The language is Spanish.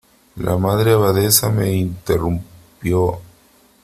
la Madre Abadesa me interrumpió :